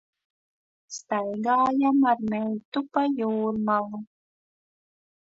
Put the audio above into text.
Staigājam ar meitu pa Jūrmalu.